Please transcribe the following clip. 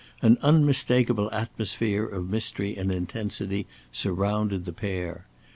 An unmistakeable atmosphere of mystery and intensity surrounded the pair.